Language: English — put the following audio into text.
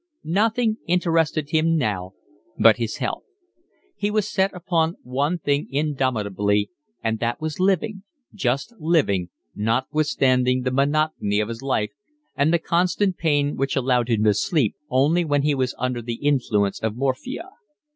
Nothing interested him now but his health. He was set upon one thing indomitably and that was living, just living, notwithstanding the monotony of his life and the constant pain which allowed him to sleep only when he was under the influence of morphia.